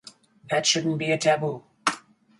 That shouldn't be a taboo.